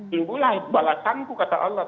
tunggulah balasanku kata allah